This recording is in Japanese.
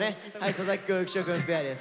佐々木くん浮所くんペアです。